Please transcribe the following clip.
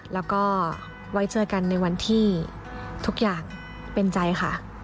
แล้วก็ไว้เจอกันในวันที่ทุกอย่างเป็นใจค่ะ